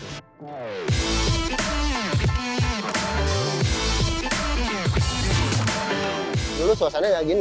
dulu suasananya nggak gini ya